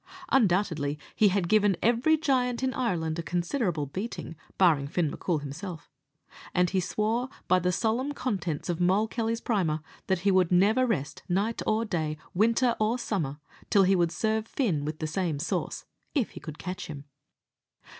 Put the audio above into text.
Undoubtedly he had given every giant in Ireland a considerable beating, barring Fin M'Coul himself; and he swore, by the solemn contents of Moll Kelly's Primer, that he would never rest, night or day, winter or summer, till he would serve Fin with the same sauce, if he could catch him.